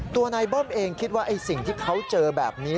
ตัวนายเบิ้มเองคิดว่าไอ้สิ่งที่เขาเจอแบบนี้